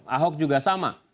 ahok juga sama